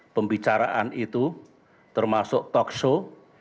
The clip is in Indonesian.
pembicaraan itu termasuk talkshow